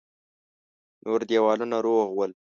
نور دېوالونه روغ ول.